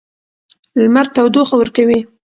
لمر تودوخه ورکوي.